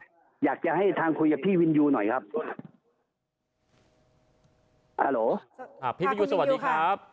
อยากจะให้ทางคุยกับพี่วินยูหน่อยครับอ่าโหลอ่าพี่วินยูสวัสดีครับ